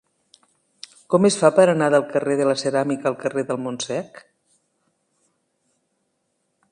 Com es fa per anar del carrer de la Ceràmica al carrer del Montsec?